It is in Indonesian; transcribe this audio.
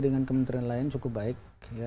dengan kementerian lain cukup baik